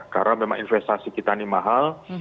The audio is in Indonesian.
karena memang investasi kita ini mahal